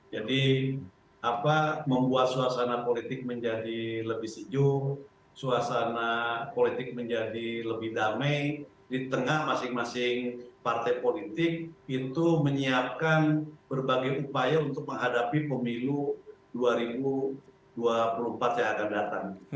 jadi apa membuat suasana politik menjadi lebih sejuk suasana politik menjadi lebih damai di tengah masing masing partai politik itu menyiapkan berbagai upaya untuk menghadapi pemilu dua ribu dua puluh empat yang akan datang